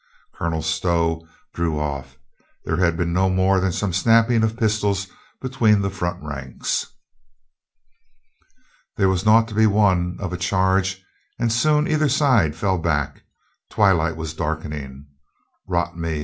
Colonel Stow drew off. There had been no more than some snapping of pistols be tween the front ranks. There was naught to be won of a charge, and soon either side fell back. Twilight was darkening. "Rot me!"